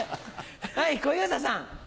はい小遊三さん。